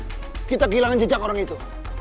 ayo kita kehilangan jejak orang itu